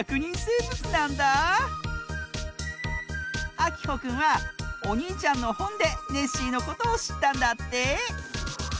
あきほくんはおにいちゃんのほんでネッシーのことをしったんだって。